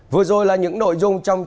vừa rồi là những nội dung trong tháng năm